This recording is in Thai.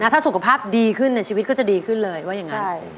ถ้าสุขภาพดีขึ้นในชีวิตก็จะดีขึ้นเลยว่าอย่างนั้น